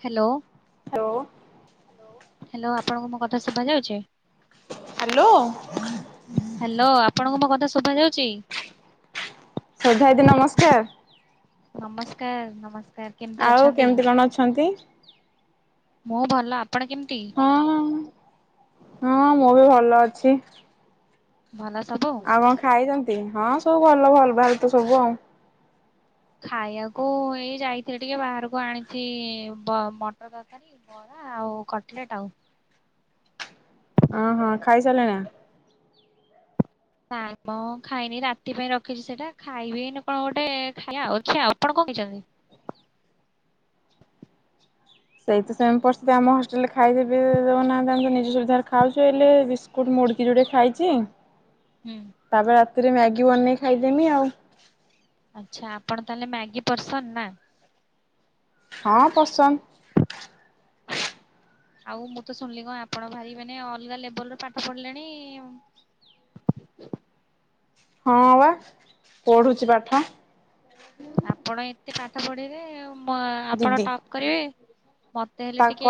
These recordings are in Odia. ହ୍ୟାଲୋ। ହାଲୋ। ହ୍ୟାଲୋ ଆପଣଙ୍କୁ ମୋ କଥା ଶୁଭା ଯାଉଛି? ହାଲୋ। ହ୍ୟାଲୋ ଆପଣଙ୍କୁ ମୋ କଥା ଶୁଭା ଯାଉଛି। ଶ୍ରଧା ଦିଦି ନମସ୍କାର। ନମସ୍କାର ନମ ଆଉ କେମିତି କଣ ଅଛନ୍ତି? ମୁଁ ଭଲ। ଆପଣ କେମିତି? ହଁ ହଁ ହଁ ମୁଁ ବି ଭଲ ଛି ଭଲ ସ ଆଉ କଣ ଖାଇଛନ୍ତି ହଁ ସବୁ ଭଲ ଭଲ ଭାଲ୍ ତ ସବୁ ଆଉ। ଖାଇଆକୁ ଏଇ ଯାଇଥିଲି ଟିକେ ବାହାରକୁ ଆଣିଛି ମଟର ତରକାରୀ ବରା ଆଉ କଟଲେଟ୍ ଆଉ। ଅ ହଁ ଖାଇ ସାରିଲେଣି? ନାଇଁ ବୋଉ ଖାଇନି ରାତି ପାଇଁ ରଖିଛି ସେଇଟା ଖାଇବି ଏଇନେ କଣ ଗୋଟେ ଖାଇଆ ଆଉ ଅଛି ଆଉ ଆପଣ କଣ ଖାଇଛନ୍ତି। ସେଇ ତ ସେମ୍ ପରିସ୍ଥିତି ଆମ ହଷ୍ଟେଲରେ ଖାଇଦେବେ ଦଉନାହାଁନ୍ତି ନିଜ ସୁବିଧାରେ ଖାଉଛୁ ଏଇଲେ ବିସ୍କୁଟ ମୁଡକି ଯୋଡେ ଖାଇଛି। ହୁଁ ତାପରେ ତିରେ ମ୍ୟାଗି ବନେଇ ଖାଇଦେମି ଆଉ ଆଚ୍ଛା ଆପଣ ତାହେଲେ ମ୍ୟାଗି ପର୍ସନ ନା ହଁ ପସନ୍ଦ ଆଉ ମୁଁ ତ ଶୁଣିଲି କଣ ଆପଣ ଭାରି ମାନେ ଅଲଗା ଲେବଲରେ ପାଠ ପଢିଲେଣି ହଁ ବା ପଢୁଛି ପାଠ ଆପଣ ଏ ଏତେ ପାଠ ପଢିଲେ ଆଉ ଆପଣ ଦିଦି ଟପ୍ କରିବେ ମତେ ହେଲେ ଟିକେ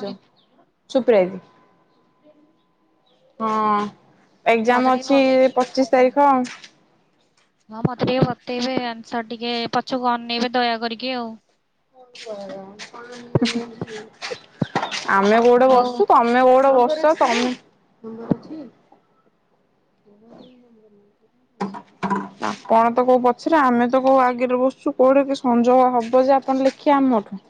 କହି ଚୁପ ରହିବି ହଁ। ଏଗଜାମ୍ ମତେ ଟିକେ ବ ଅଛି ପଚିଶ ହୁଁ। ତାରିଖ ଆଉ ହଁ ମୋତ ଟିକେ ବତେଇବେ ଆ ସାର୍ ଟିକେ ପଛୁକୁ ଅନେଇବେ ଦୟା କରିକି ଆଉ [inaudible] ଆମେ କୋଉଠେ ଆଉ ବସଛୁ ତମେ କୋଉଠେ ବସ ତ ତମେ ନମ୍ବର ଅଛି? ଆପଣ ତ କୋଉ ପଛରେ ଆମେ ତ କୋଉ ଆଗରେ ବସଚୁ କୋଉଠି କି ସଂଯୋଗ ହବ ଯେ ଆପଣ ଲେଖିବେ ଆମଠୁ।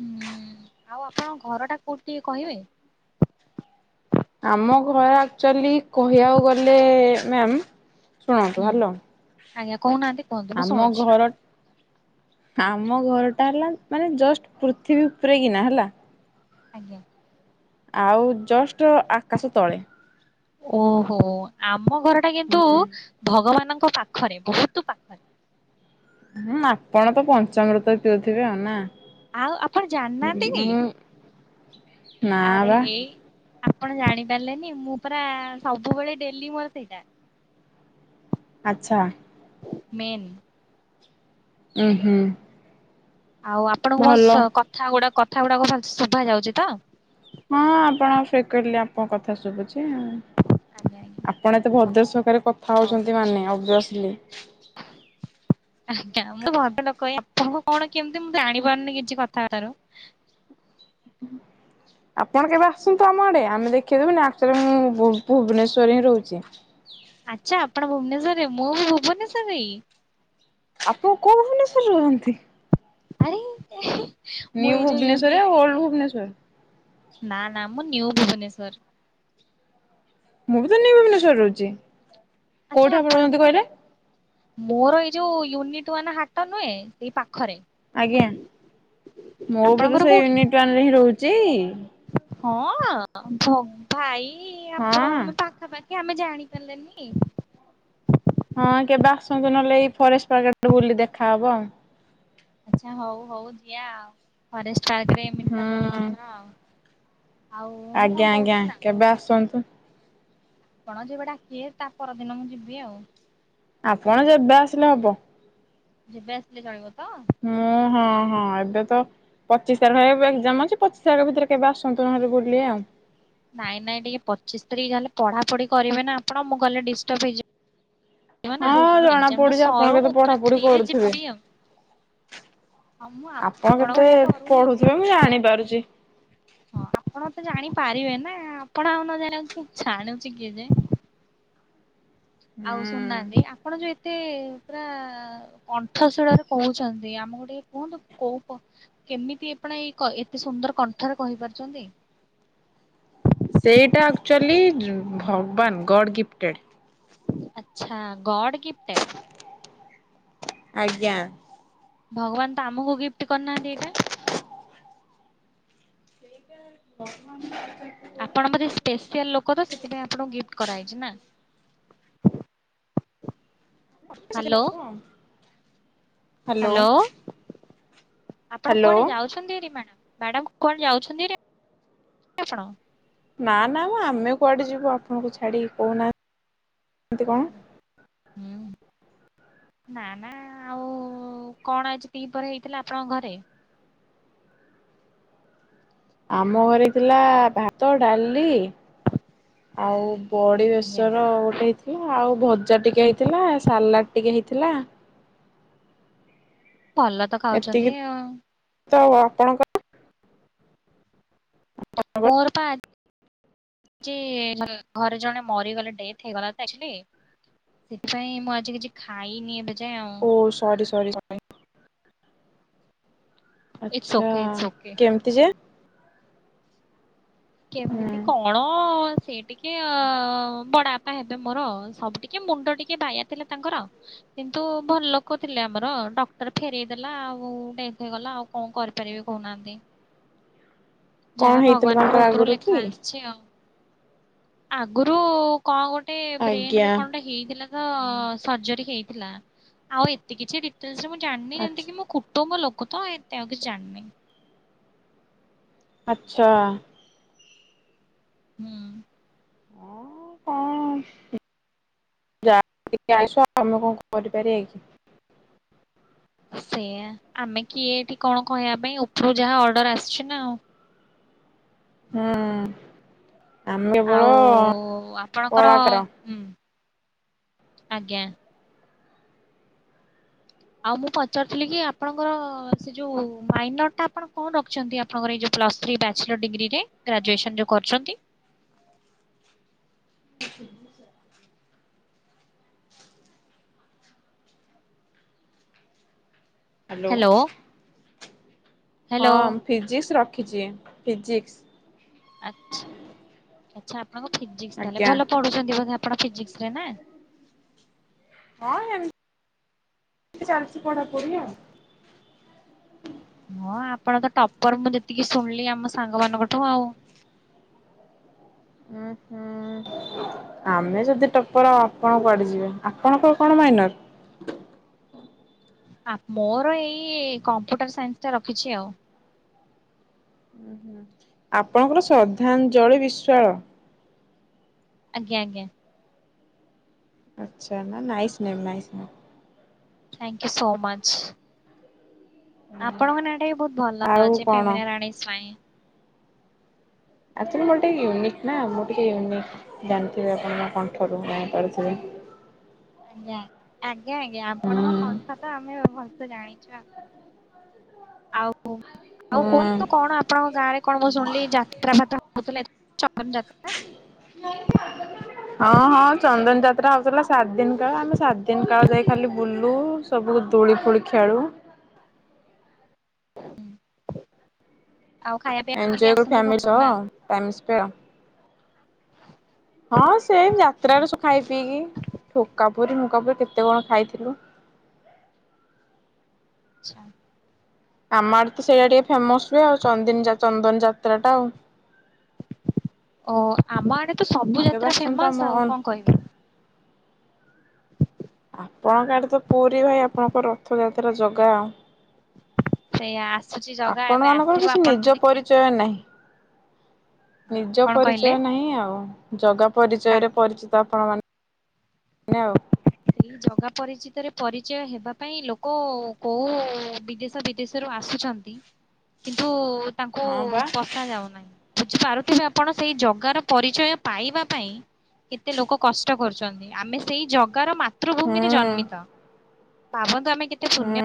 ହୁଁଉଁ ଆଉ ଆପଣଙ୍କ ଘର ଟା କୋଉଟି ଟିକେ କହିବେ? ଆମ ଘର ଆକଚୁଅଲି କହିଆକୁ ଗଲେ ମ୍ୟାମ୍। ଶୁଣନ୍ତୁ ହୁଁ ହ୍ୟାଲୋ ଆଜ୍ଞା କୋହୁନାହାନ୍ତି କୁହନ୍ତୁ ମୁଁ ଆମ ଶୁଣୁଚି। ଘର ଆମ ଘରଟା ହେଲା ମାନେ ଜଷ୍ଟ ପୃଥିବୀ ଉପରେ କିନା ହେଲା। ଆଜ୍ଞା। ଆଉ ଜଷ୍ଟ ଆକାଶ ତଳେ। ଓହୋ ଆ ଆମ ଘରଟା କିନ୍ତୁ ଭଗବାନ ଙ୍କ ପାଖରେ ବୋହୁତୁ ପାଖରେ। ହୁଁ ଆପଣ ତ ପଞ୍ଚାମୃତରେ ପିଉଥିବେ ଆଉ ନା? ଆଉ ଆପଣ ଜାଣନାଆନ୍ତି କି? ନାଆ ଆରେ ବା। ହେଇ ଆପଣ ଜାଣିପାରିଲେନି ମୁଁ ପରା ସବୁବେଳେ ଡେଲି ମୋର ସେଇଟା। ଆଚ୍ଛା। ମେନ୍। ଉଁ ହୁଁ। ଆଉ ଆପଣଙ୍କୁ ମୋ ଭଲ ସହ କଥା ଗୁଡା କ କଥାଗୁଡାକ ଭଲସେ ଶୁଭାଯାଉଚି ତ? ହଁ ଆପଣ ଫ୍ରିକ୍ୱିଟଲି ଆପଣଙ୍କ କଥା ଶୁଭୁଚି। ଚିଁ ଆଜ୍ଞା ଆଜ୍ଞା ଆପଣ ଏତେ ଭଦ୍ର ସହକାରେ କଥା ହୋଉଚନ୍ତି ମାନେ ଅଭିଅସ୍ ଲେ ଆଜ୍ଞା ମୁଁ ଭଲ ଲୋକ ଏଇ ଆପଣଙ୍କୁ କଣ କେମତି ମୁଁ ଜାଣିପାରୁନି କିଛି କଥାବାର୍ତ୍ତା ରୁ। ଆପଣ କେବେ ଆସନ୍ତୁ ଆମ ଆଡେ ଆମେ ଦେଖେଇ ଦୋବୁନି ଆକଚୁଅଲି ମୁଁ ଭୁ-ଭୁବନେଶ୍ଵରରେ ହିଁ ରହୁଚି। ଆଚ୍ଛା ଆପଣ ଭୁବନେଶ୍ଵରରେ ମୁଁ ବି ଭୁବନେଶ୍ଵରରେ ହିଁ। ଆପଣ କୋଉ ଭୁବନେଶ୍ଵରରେ ରହନ୍ତି? ଆରେ ଏଃ ନିଉ ଭୁବନେଶ୍ୱରରେ ୟା ଓଲଡ୍ ଭୁବନେଶ୍ଵର? ନା ନା ମୁଁ ନିଉ ଭୁବନେଶ୍ଵର। ମୁଁ ବି ତ ନିଉ ଭୁବନେଶ୍ୱରରେ ରହୁଚି। ଆଚ୍ଛା କୋଉଠି ଆପଣ ବି ରହନ୍ତି କଇଲେ? ମୋର ଏଇ ଯୋଉ ୟୁନିଟ ୱାନ୍ ହାଟ ନୁହେଁ ସେଇ ପା ଆଜ୍ଞା ମୁଁ ବି ତ ଆପଣଙ୍କର ସେଇ କୋଉଠି? ୟୁନିଟ୍ ୱାନରେ ହଁ ରହୁ ଚି ହଁଅଁ ଭଗ୍-ଭାଇ ଈ ଆପଣ ହଁ ଆମେ ପାଖା ପାଖ କି ଆମେ ଜାଣି ପାରିଲେନି। ହଁ କେବେ ଆସନ୍ତୁ ନହେଲେ ଏଇ ଫରେଷ୍ଟ୍ [unintelligible] ବୁଲି ଦେଖାହବ ଆଉ। ଆଚ୍ଛା ହୋଉ ହୋଉ ଯିିଆ ଆଉ ଫରେଷ୍ଟ୍। ପାର୍କରେ ମିଟପ ହବ ହୁଁ ଆମର ଆଉ। ଆଉ ମୁଁ କଣ ଆଜ୍ଞା ଆଜ୍ଞା କହୁଥିଲି କେବେ ଆସନ୍ତୁ। ଆପଣ ଯେବେ ଡାକିବେ ତା ପରଦିନ ମୁଁ ଯିବି ଆଉ। ଆପଣ ଯେବେ ଆସିଲେ ହବ। ଯେବେ ଆସିଲେ ଚଳିବ ତ? ହୁଁ ହଁ। ହଁ ଏବେ ତ ପଚିଶ ତାରିଖ ଏକ୍ଜାମ ଅଛି ପଚିଶ ତାରିଖ ଭିତରେ କେବେ ଆସନ୍ତୁ ନହେଲେ ବୁଲି ଆଉ। ନାଇଁ ନାଇଁ ଟିକେ ପଚିଶି ତାରିଖ ହେଲେ ପଢା଼ପଢି଼ କରିବେ ନା ଆପଣ ମୁଁ ଗଲେ ଡିଷ୍ଟର୍ବ ହେଇଯିବ ନା। ହଁ ଜଣା ଏକ୍ଜାମ ଟା ପଡୁଛି ଆପଣ ସରୁ ମୁଁ କେତେ ପୁରା ପଢା଼ପଢି଼ ଫ୍ରିରେ କରୁଥିବେ ଯିବି ଆଉ। ହଁ ମୁଁ ଆପଣ ଆପଣଙ୍କ କେତେ ଭଳିଆ ଡରୁନି। ପଢୁ଼ଥିବେ ମୁଁ ଜାଣି ପାରୁଛି। ହଁ ଆପଣ ତ ଜାଣିପାରିବେ ନା ଆପଣ ଆଉ ନ ଜାଣ ଜାଣୁଛି କିଏ ଯେ? ଆଉ ହୁଁ। ଶୁଣନାହାନ୍ତି ଆପଣ ଯୋ ଏ ଏତେ ପୁରା କଣ୍ଠଶିଳରେ କହୁଛନ୍ତି ଆମକୁ ଟିକେ କୁହନ୍ତୁ କୋଉ କେମିତି ଏପଣ ଏଇ ଏତେ ସୁନ୍ଦର କ ଠରେ କହିପାରୁଛନ୍ତି। ସେଇଟା ଆକ୍ଚୁଆଲି ଭଗବାନ ଗଡ଼ ଗିଫ୍ଟେଡ଼। ଆଚ୍ଛା ଗଡ ଗିଫ୍ଟେଡ଼୍। ଆଜ୍ଞା। ଭଗବାନ ତ ଆମକୁ ଗିଫ୍ଟ କରନାହାନ୍ତିି ଏଇଟା। କଥା ସେଥିପାଇଁ ଆପଣଙ୍କୁ ଗିଫ୍ଟ କରାହେଇଛି ନା। ସେ ହ୍ୟାଲୋ ଲୋକ ହ୍ୟାଲୋ। ଆପଣ ହ୍ୟାଲୋ କୁଆଡେ଼ ଯାଉଛନ୍ତି ହେରି ମ୍ୟାଡ଼ାମ୍? ମ୍ୟାଡାମ କୁଆଡ଼େ ଯାଉଛନ୍ତି ଆପଣ? ନା ନା ଆମେ କୁଆଡେ ଯିବୁ ଆପଣଙ୍କୁ ଛାଡି଼କି କହୁନାହାନ୍ତି? କେମିତି କ ହୁଁ ନା ନା ଆଉ କଣ ଆଜି ଦିପହରେ ହେଇଥିଲା ଆପଣଙ୍କ ଘରେ? ଆମ ଘରେ ଥିଲା ଭାତ ଡାଲି ଆଉ ବଡି ଆଜ୍ଞା ବେଶର ଗୋଟେ ହେଇଥିଲା ଆଉ ଭ ଜା ଟିକେ ହେଇଥିଲା ସାଲାଡ଼୍ ଟିକେ ହେଇଥିଲା। ଭଲ ତ ଏତିକି ଖାଉଛନ୍ତି ଆଉ। ତ ଆଉ ଆପଣ କଣ? ମୋର ପା ଘରେ ଜଣେ ମରିଗଲେ ଡେଥ୍ ହେଇଗଲା ସେଥିପାଇଁ ମୁଁ ଆଜି କିଛି ଖାଇନି ଏବେ ଯାଏ ଆଉ ଓ ସରି ସରି ଇଟ୍ସ ଆଚ୍ଛା ଓକେ ଇଟ୍ସ ଓକେ। କେମତି ଯେ? ହୁଁ କେମିତି କଣ? ସେ ଟିକେ ଅ ବଡାଆପା ହେବେ ମୋର ସବୁ ଟିକେ ମୁଣ୍ଡ ଟିକେ ବାୟା ଥିଲା ତାଙ୍କର କିନ୍ତୁ ଭଲ ଲୋକ ଥିଲେ ଆମର ଡକ୍ଟର ଫେରଇ ଦେଲା ଆଉ ଡେଥ୍ ହେଇଗଲା ଆଉ କଣ କରିପାରିବି କହୁନାହାଁନ୍ତି। କଣ ଯାହା ହେଇଥିଲେ ଭଗବାନଙ୍କର ତାଙ୍କର ଉପରୁ ଆଗରୁ ଲେଖା କି? ଆସିଛି ଆଉ ଆଗୁରୁ କଣ ଗୋ ଟେ ବ୍ରେନରେ ଆଜ୍ଞା କଣ ଗୋଟେ ହେଇଥିଲା ତ ସର୍ଜରୀ ହେଇଥିଲା ଆଉ ଏତେ କିଛି ଡିଟେଲେସ ମୁଁ ଜାଣିନି ଯେମତି ଆଚ୍ଛା କି ମୋ କୁଟୁମ୍ବ ଲୋ କୁ ତ ଏତେ ଆଉ କିଛି ଜାଣିନି। ଆଚ୍ଛା। ହୁଁ। ଅ ଆମେ କଣ କରିପାରିଆ କି? ସେଇଆ ଆମେ କିଏ ଏଠି କଣ କହିବା ପାଇଁ ଉପରୁ ଯାହା ଅର୍ଡର ଆସିଛି ନା ଆଉ। ହୁଁ। ଆମେ କେବଳ ଆଉ ଆପଣଙ୍କର କଳାକାର ହୁଁ ଆଜ୍ଞା। ଆଉ ମୁଁ ପଚାରୁଥିଲି କି ଆପଣଙ୍କର ସେ ଯୋଉ ମାଇନର ଟା ଆପଣ କଣ ରଖିଛନ୍ତି ଆପଣଙ୍କର ଏଇ ଯୋଉ ପ୍ଲସ ଥ୍ରୀ ବ୍ୟାଚଲର ଡିଗ୍ରୀରେ ଗ୍ରାଜୁଏସନ ଯୋଉ କରୁଛନ୍ତି [inaudible] ହାଲୋ। ହ୍ୟାଲୋ ହଁ ହ୍ୟାଲୋ ଫିଜିକ୍ସର ରଖିଚି ଫିଜିିକ୍ସ ଆଚ୍ଛା। ଆଚ୍ଛା। ଆପଣଙ୍କ ଫିଜିକ୍ସ ତାହେଲେ ଆଜ୍ଞା ଭଲ ପଢୁଛନ୍ତି ବୋଧେ ଆମର ଫିଜିକ୍ସରେ ନା ହଁ ଚାଲିଛି ପଢାପଢି ଆଉ ହଁ ଆପଣ ତ ଟପର ମୁଁ ଯେତିକି ଶୁଣିଲି ଆମ ସାଙ୍ଗ ମାନଙ୍କଠୁ ଆଉ ଉଁ ହୁଁ ଆମେ ଯଦି ଟପର ଆପଣ କୁଆଡେ ଯିବେ ଆପଣଙ୍କ କଣ ମାଇନର? ଆ ମୋର ଏଇ କମ୍ପ୍ୟୁଟର ସାଇନ୍ସଟା ରଖିଛି ଆଉ। ଆପଣଙ୍କର ଶ୍ରଦ୍ଧାଞ୍ଜଳି ବିଶ୍ଵାଳ ଆଜ୍ଞା ଆଜ୍ଞା ଆଚ୍ଛା ନା nice name nice name. Thank you so much. ଆପଣଙ୍କ ନାଁ ଟା ବି ବହୁତ ଭଲ ଆଉ ଅଛି କଣ ପ୍ରେମିଣା ରାଣୀ ସ୍ଵାଇଁ। ଆକ୍ଚୋଲି ମୋର ଟିକେ ୟୁନିକ୍ ନାଁ ମୁଁ ଟିକେ ୟୁନିକ୍ ଜାଣିଥିବେ ଆପଣ ମୋ କଣ୍ଠରୁ ଜାଣିପାରୁଥିବେ ଆଜ୍ଞା ଆଜ୍ଞା ଆଜ୍ଞା ଆପଣଙ୍କ କଣ୍ଠ ତ ଆମେ ଭ ଜାଣିଛ ଆଉ ଆଉ ହୁଁ। କୁହନ୍ତୁ କଣ ଆପଣଙ୍କ ଗାଁ ରେ କଣ ମୁଁ ଶୁଣିଲି ଯାତ୍ରା ଫାତ୍ରା ହଉଥିଲେ ଚପନ [unintelligible] ହଁ ହଁ ଚନ୍ଦନ ଯାତ୍ରା ହଉଥିଲା ସାତ ଦିନ କାଳ ଆମେ ସାତ ଦିନ କାଳ ଯାଇ ଖାଲି ବୁଲୁ ସବୁ ଦୋଳି ଫୁଳି ଖେଳୁ। ଆଉ ଖାଇବା ପିଇବା କରିକି ଏନୋଜଏ କରୁ ଆସନ୍ତି ଫ୍ୟାମିଲ ଘରୁ ନା ସହ। [unintelligible] ହଁ ସେ ଯାତ୍ରାରେ ସବୁ ଖାଇ ପିଇକି ଠୋକା ପୁରରି ନୁକା ପୁରୀ କେତେ କଣ ଖାଇଥିଲୁ। ଆଛା। ଆମର ତ ସେଇଟା ଟିକେ ଫେମସ ହୁହେ ଆଉ ଚନ୍ଦିନ ଚନ୍ଦନ ଯାତ୍ରା ଟା ଆଉ। ଓ ଆମ ଆଡେ ତ ସବୁ ଆଉ କେବେ ଯାତ୍ରା ଆସନ୍ତୁ ଆମ ଫେମସ ଆଉ କଣ କହିବି? ଆପଣ କାଡେ ତ ପୁରୀ ଭାଇ ଆପଣଙ୍କ ରଥଯାତ୍ରା ଜାଗା ସେଇୟା। ଆପଣ ମାନଙ୍କର କିଛି ନିଜ ପରିଚୟ ନାହିଁ। ନିଜ କଣ କହିଲେ? ପରିଚୟ ନାହିଁ ଆଉ। ଜଗା କା ପରିଚୟରେ ପରିଚିତ [unintelligible] ଏଇ ଜଗା ପରିଚିତରେ ପରିଚୟ ହେବା ପାଇଁ ଲୋକ କୋଉ ବିଦେଶ ବିଦେଶରୁ ଆସୁଛନ୍ତି। କିନ୍ତୁ ତାଙ୍କୁ ହଁ ବା ପଶା ଯାଉ ନାହିଁ। ବୁଝିପାରୁଥିବେ ଆପଣ ସେଇ ଜଗାର ପରିଚୟ ପାଇବା ପାଇଁ କେତେ ଲୋକ କଷ୍ଟ କରୁଛନ୍ତି ଆମେ ସେଇ ଜ ଗରମା ତୃଭୂମିରେ ହୁଁ ଜନ୍ମିତ ଭାବନ୍ତୁ ଆମେ କେତେ ହୁଁ। ପୁଣ୍ୟ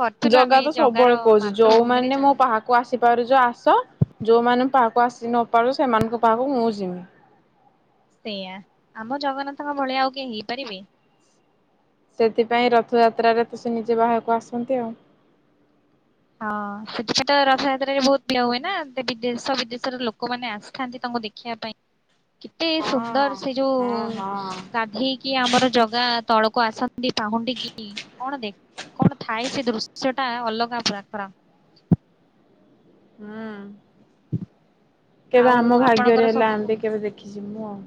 କରିଥିଲୁ ଆମେ ଜଗା ଏଇ ତ ଜଗାର ସବୁବେଳେ କହୁଛି ମାତୃଭୂମିରେ ଯୋଉମାନୋନ ମୋ ଜନ୍ମ ପାହାକୁ ଆସି ାରୁଛ ଆସ ଯୋଉମାନେ ପାହାକୁ ଆସି ନପାରୁ ସେମାନଙ୍କ ପାହାକୁ ମୁଁ ଯମି ଆଜ୍ା ଆମ ଜଗନ୍ନାଥଙ୍କ ଭଳିଆ ଆଉ କିଏ ହେଇପାରିବି। ସେଥିପାଇଁ ରଥଯାତ୍ରାରେ ତ ସେ ନିଜେ ବାହାକୁ ଆସନ୍ତି ଆଉ। ହଁ [inaudible] ତ ରଥଯାତ୍ରାରେ ବହୁତ [inaudible] ବିଦେଶ ବି ଦେଶର ଲୋକମାନେ ଆସିଥାନ୍ତି ତାଙ୍କୁ ଦେଖିବା ପାଇଁ କେତେ ହଁ ସୁନ୍ଦର ସେ ଯୋଉ ହଁ ହଁ ଗାଧେଇକି ଆମର ଜଗା ତଳକୁ କ [inaudible] ଦ ପାହୁଡି କି କଣ ଦେଖ କଣ ଥାଏ ସେ ଦୃଶ୍ୟ ା ଅଲଗା ପୁରା [unintelligible] ହଁ। କେବେ ଆଉ ଆମ ଆପଣଙ୍କର ଭାଗ୍ୟରେ ହେଲା ସବୁ ଏମତି କେବେ ଦେଖିଛି ମୁଁ ଆଉ।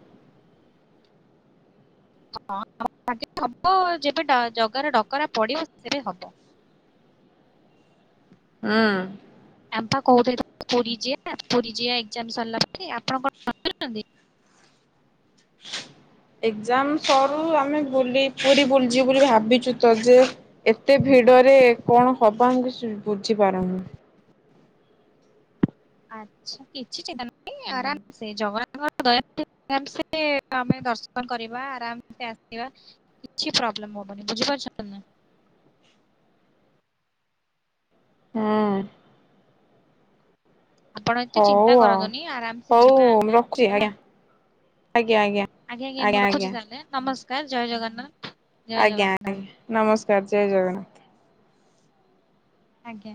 ହଁ ହବ [unintelligible] ଯେବେ ଜାଗାର ଡକରା ପଡିବ ସେବେ ହବ। ହଁ। ଆପ କହୁଥିଲେ ପୁରୀ [unintelligible] ପୁରୀ ଜିଆ ଏଜାମ ସରିଲା ପରେ ଆପଣ କଣଛନ୍ତି? ଏକଯାମ ସରୁ ଆମେ ବୁଲି ପୁରୀ ବୁଲୀ ଯିବୁ ବୋଲି ଭାବିଛୁ ତ ଯେ ଏତେ ଭିଡରେ କଣ ହବା ଆମେ କିଛି ବୁଝୀ ପାରୁନୁ। ଆଚ୍ଛା କିଛି ଚିନ୍ତା ଆରାମ ସେ ଜବ ତାଙ୍କର ଦୟା ହେଲେ ଆରମସେ ଆମେ ଦର୍ଶନ କରିବା ଆରାମସେ ଆସିବା କିଛି ପ୍ରୋବ୍ଲେମ ହବନି ବୁଝିପାରୁ ଛନ୍ତି ନା ନାଇଁ? ହଁ। ଆପଣ ଏତେ ହଉ ଚିନ୍ତା ଆଉ କରନ୍ତୁନି ଆରାମସେ ହଉ ଯିବା ଆମେ ରଖୁଛି ହେଲା। ଆଜ୍ଞା ଆଜ୍ଞା ଆଜ୍ଞା। ଆଜ୍ଞ ଆଜ୍ଞା ମୁଁ ରଖଛି ତାହେଲେ ନମସ କାର ଜୟ ଜଗନ୍ନାଥ। ଜୟ ଆଜ୍ଞା ଆଜ୍ଞା ଜଗନ୍ନାଥ ନମସ୍ ଜୟ ଜଗନ୍ନାଥ। ଆଜ୍ଞା।